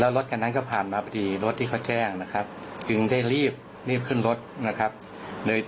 แล้วรถคันนั้นก็ผ่านมารถที่เขาแจ้งตั้งแต่งหลังคืนรถเลยจึงได้รีบขึ้นรถ